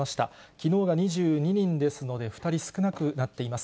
きのうが２２人ですので、２人少なくなっています。